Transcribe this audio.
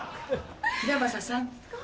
平匡さん。